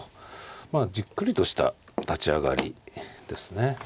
まあじっくりとした立ち上がりですね。